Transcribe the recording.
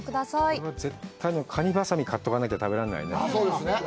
これは絶対にカニばさみ買っておかないと食べられないね。